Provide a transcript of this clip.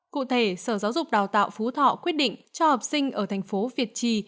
cụ thể sở giáo dục đào tạo phú thọ quyết định cho học sinh ở thành phố việt trì